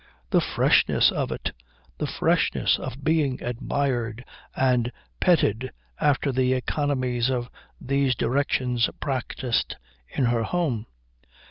The freshness of it! The freshness of being admired and petted after the economies in these directions practised in her home.